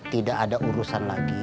tidak ada urusan lagi